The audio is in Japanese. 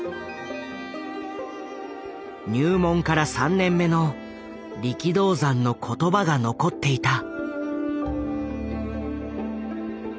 入門から３年目の力道山の言葉が残っていた。